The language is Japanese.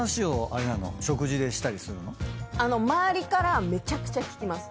周りからめちゃくちゃ聞きます。